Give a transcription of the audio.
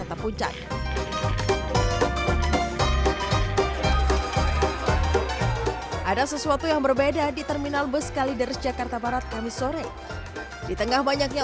ada sesuatu yang berbeda di terminal bus kaliders jakarta barat kamis sore di tengah banyaknya